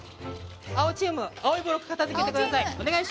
青チーム青いブロック片付けてください